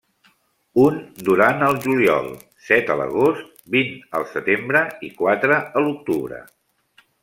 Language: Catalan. Un durant el juliol, set a l'agost, vint al setembre i quatre a l'octubre.